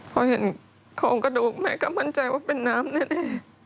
พอเห็นโครงกระดูกแม่ก็มั่นใจว่าเป็นน้ำแน่